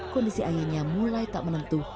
kondisi airnya mulai tak menentu